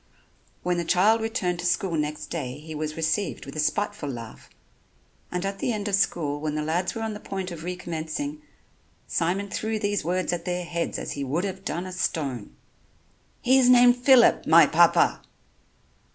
When the child returned to school next day he was received with a spiteful laugh, and at the end of school when the lads were on the point of recommencing, Simon threw these words at their heads as he would have done a stone: "He is named Phillip, my Papa."